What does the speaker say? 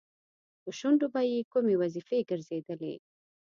په شونډو به یې کومې وظیفې ګرځېدلې؟